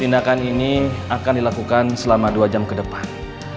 tindakan ini akan dilakukan selama dua jam kedepan